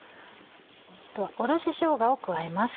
おろししょうがを加えます。